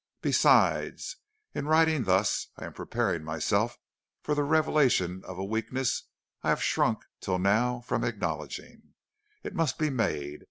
Besides, in writing thus I am preparing myself for the revelation of a weakness I have shrunk till now from acknowledging. It must be made.